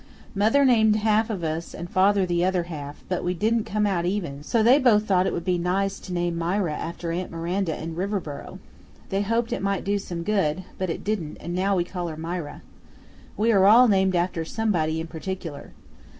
Mother named half of us and father the other half, but we didn't come out even, so they both thought it would be nice to name Mira after aunt Miranda in Riverboro; they hoped it might do some good, but it didn't, and now we call her Mira. We are all named after somebody in particular.